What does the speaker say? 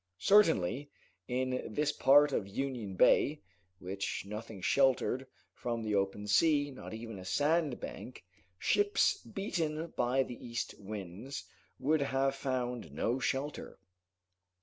Certainly, in this part of Union Bay, which nothing sheltered from the open sea, not even a sandbank, ships beaten by the east winds would have found no shelter.